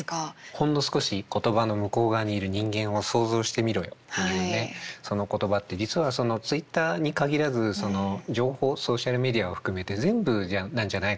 「ほんの少し言葉の向こう側にいる人間を想像してみろよ」というねその言葉って実はそのＴｗｉｔｔｅｒに限らず情報ソーシャルメディアを含めて全部なんじゃないかなと。